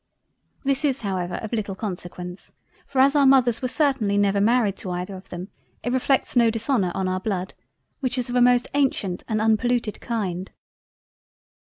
This is however of little consequence for as our Mothers were certainly never married to either of them it reflects no Dishonour on our Blood, which is of a most ancient and unpolluted kind.